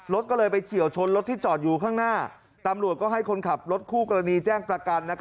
รถก็เลยไปเฉียวชนรถที่จอดอยู่ข้างหน้าตำรวจก็ให้คนขับรถคู่กรณีแจ้งประกัน